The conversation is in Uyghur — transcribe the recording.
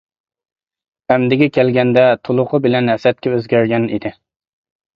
ئەمدىگە كەلگىنىدە تۇلۇقى بىلەن ھەسەتكە ئۆزگەرگەن ئىدى.